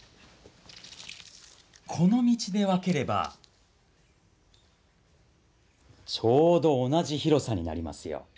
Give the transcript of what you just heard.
この道で分ければちょうど同じ広さになりますよ。